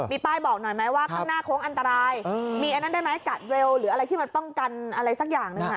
มีป้ายบอกหน่อยไหมว่าข้างหน้าโค้งอันตรายมีอันนั้นได้ไหมกัดเร็วหรืออะไรที่มันป้องกันอะไรสักอย่างหนึ่ง